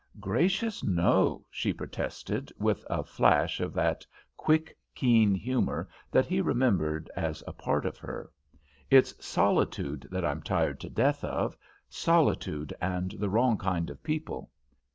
"Gracious, no!" she protested, with a flash of that quick, keen humour that he remembered as a part of her. "It's solitude that I'm tired to death of solitude and the wrong kind of people.